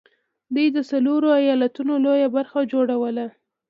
دوی د څلورو ايالتونو لويه برخه جوړوله